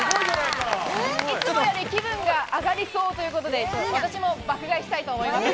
いつもより気分が上がりそうということで、私も爆買いしたいと思います。